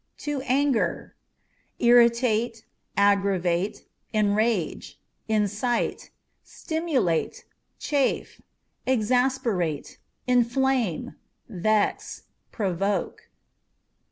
To Anger â€" irritate, aggravate, enrage, incite, stimulate, chafe, exasperate, inflame, vex, provoke.